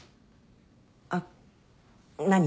あっ何？